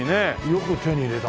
よく手に入れたね。